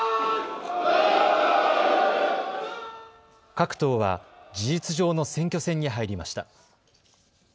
各党は事実上の選挙戦に入りました。